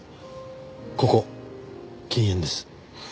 ここ禁煙です。